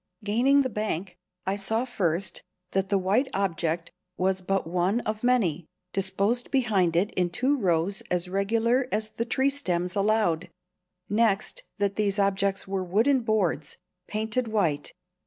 Gaining the bank, I saw, first, that the white object was but one of many, disposed behind it in two rows as regular as the tree stems allowed; next, that these objects were wooden boards, pained white.